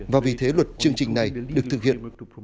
và vì thế luật chương trình này được thực hiện